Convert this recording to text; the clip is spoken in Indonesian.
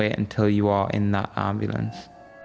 jangan menunggu sampai anda di ambulans